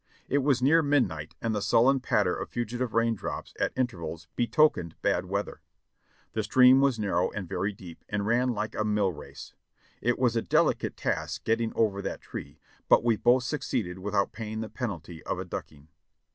It was near midnight and the sullen patter of fugitive raindrops at intervals betokened bad weather. The stream was narrow and very deep and ran like a mill race. It was a delicate task getting over that tree, but we both succeeded without paying the penalty of a dUcking.